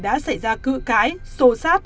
đã xảy ra cự cái sô sát